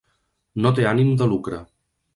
No té ànim de lucre.